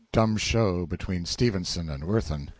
Dumb show between STEPHENSON and WIRTHIN.)